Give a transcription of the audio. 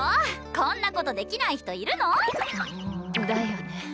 こんなことできない人いるの？だよね。